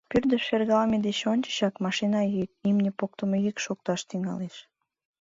Пӱрдыш шергалме деч ончычак машина йӱк, имне поктымо йӱк шокташ тӱҥалеш.